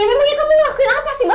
ya memangnya kamu ngelakuin apa sih mas